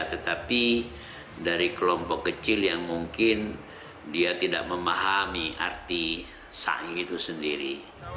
tetapi dari kelompok kecil yang mungkin dia tidak memahami arti sa'i itu sendiri